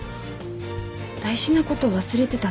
大事なこと忘れてたね